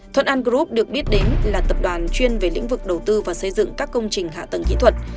thuận an group được biết đến là tập đoàn chuyên về lĩnh vực đầu tư và xây dựng các công trình hạ tầng kỹ thuật